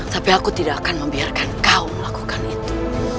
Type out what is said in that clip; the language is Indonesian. tapi aku tidak akan membiarkan kau melakukan itu